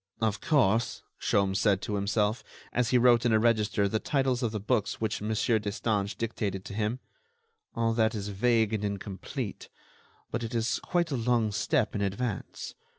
"Of course," Sholmes said to himself, as he wrote in a register the titles of the books which Mon. Destange dictated to him, "all that is vague and incomplete, but it is quite a long step in advance.